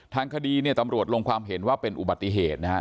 ทางคดีเนี่ยตำรวจลงความเห็นว่าเป็นอุบัติเหตุนะฮะ